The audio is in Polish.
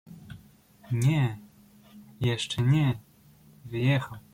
"„Nie, jeszcze nie; wyjechał“."